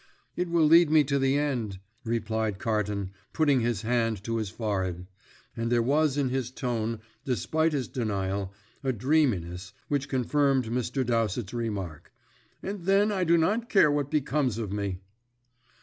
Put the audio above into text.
"It will lead me to the end," replied Carton, putting his hand to his forehead; and there was in his tone, despite his denial, a dreaminess which confirmed Mr. Dowsett's remark, "and then I do not care what becomes of me!"